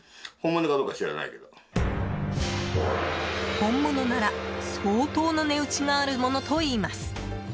本物なら、相当な値打ちがあるものといいます。